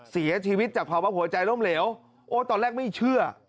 เสียชีวิตจากภาวะหัวใจล้มเหลวโอ้ตอนแรกไม่เชื่อ